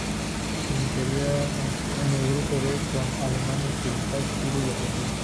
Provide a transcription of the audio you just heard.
Iniciaría en el grupo B con Alemania Occidental, Chile y Argelia.